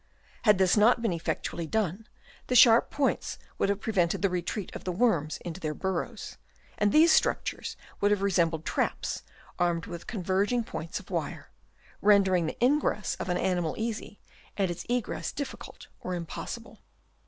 Had this not been effectually done, the sharp points would have prevented the retreat of the worms into their burrows; and these structures would have resembled traps armed with converging points of wire, rendering the ingress of an animal easy and its egress difficult or im possible.